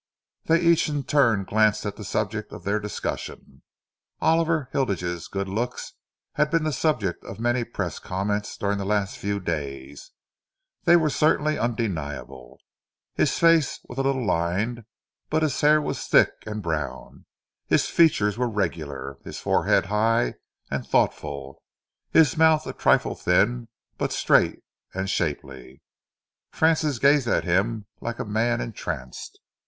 They each in turn glanced at the subject of their discussion. Oliver Hilditch's good looks had been the subject of many press comments during the last few days. They were certainly undeniable. His face was a little lined but his hair was thick and brown. His features were regular, his forehead high and thoughtful, his mouth a trifle thin but straight and shapely. Francis gazed at him like a man entranced.